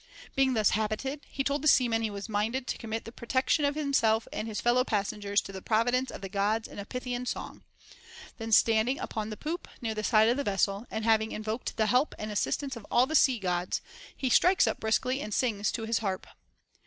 Being thus habited, he told the seamen he was minded to commit the protection of himself and his fellow passengers to the providence of the Gods in a Pythian song ; then standing upon the poop near the side of the vessel, and having invoked the help and assistance of all the sea Gods, he strikes up briskly and sings to his harp.